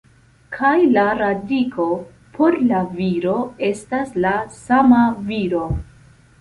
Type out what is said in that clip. Kaj la radiko, por la viro, estas la sama viro.